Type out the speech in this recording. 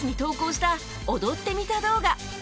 踊ってみた動画